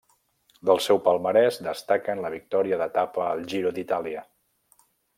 Del seu palmarès destaquen la victòria d'etapa al Giro d'Itàlia.